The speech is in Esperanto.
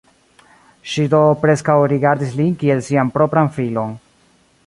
Ŝi do preskaŭ rigardis lin kiel sian propran filon.